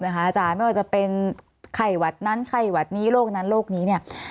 ไม่ว่าจะเป็นไข่หวัดนั้นไข่หวัดนี้โลกนั้นโลกนี้